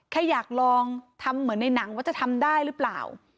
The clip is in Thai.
แค่อยากลองทำเหมือนในหนังว่าจะทำได้หรือเปล่า